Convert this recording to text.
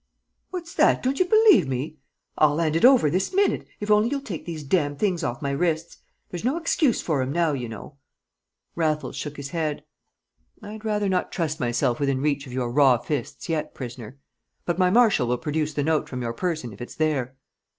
"What's that? Don't you believe me? I'll 'and it over this minute, if only you'll take these damned things off my wrists. There's no excuse for 'em now, you know!" Raffles shook his head. "I'd rather not trust myself within reach of your raw fists yet, prisoner. But my marshal will produce the note from your person if it's there."